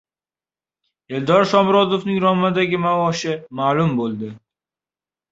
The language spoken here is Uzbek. Eldor Shomurodovning "Roma"dagi maoshi ma’lum bo‘ldi